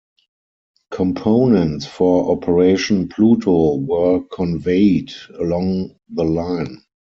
Components for Operation Pluto were conveyed along the line.